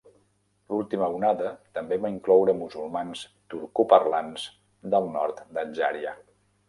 L'última onada també va incloure musulmans turcoparlants del nord d'Adjària.